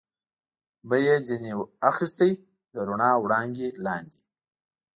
به یې ځنې اخیست، د رڼا وړانګې لاندې.